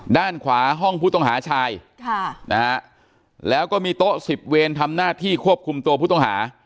ด้านขวาห้องผู้ต้องหาชายค่ะนะฮะแล้วก็มีโต๊ะ๑๐เวรทำหน้าที่ควบคุมตัวผู้ต้องหา